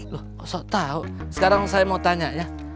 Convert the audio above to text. terserah tahu sekarang saya mau tanya ya